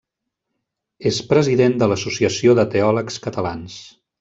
És president de l’Associació de Teòlegs Catalans.